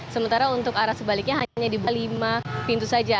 sementara untuk arah sebaliknya hanya di lima pintu saja